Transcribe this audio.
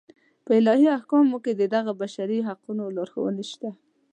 په الهي احکامو کې د دغو بشري حقونو لارښوونې شته.